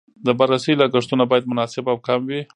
د بررسۍ لګښتونه باید مناسب او کم وي.